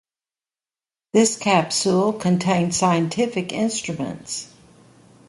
This capsule contained scientific instruments.